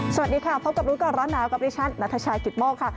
สวัสดีค่ะพบกับรู้ก่อนร้อนหนาวกับดิฉันนัทชายกิตโมกค่ะ